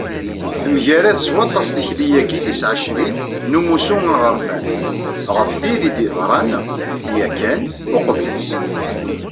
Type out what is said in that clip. Temgarad s waṭas tikli-agi tis ɛecrin, n umussu aɣerfan, ɣef tid i d-yeḍran, yakan, uqbel-is.